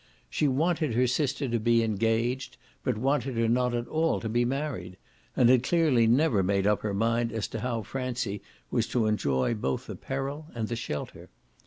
She wanted her sister to be engaged but wanted her not at all to be married, and had clearly never made up her mind as to how Francie was to enjoy both the peril and the shelter.